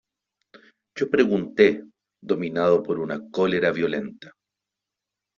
yo pregunté , dominado por una cólera violenta :